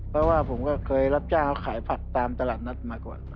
เพราะว่าผมก็เคยรับจ้างขายผักตามตลาดนัดมาก่อน